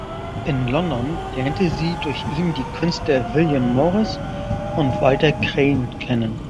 In London lernte sie durch ihn die Künstler William Morris und Walter Crane kennen.